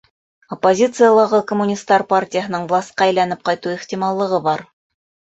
Оппозициялағы Коммунистар партияһының власҡа әйләнеп ҡайтыу ихтималлығы бар.